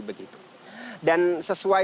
dan sesuai dengan